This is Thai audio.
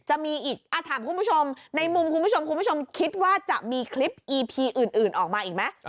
จะมีอีกถามคุณผู้ชมในมุมคุณผู้ชมคุณผู้ชมคิดว่าจะมีคลิปอีพีอื่นออกมาอีกไหม